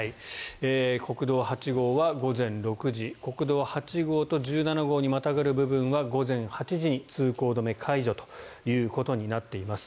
国道８号は午前６時国道８号と１７号にまたがる部分は午前８時、通行止め解除ということになっています。